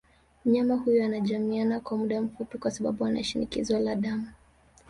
Mnyama huyo anajamiana kwa muda mfupi kwa sababu anashinikizo la damu